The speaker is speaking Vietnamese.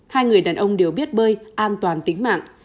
hai người đàn ông đều biết bơi an toàn tính mạng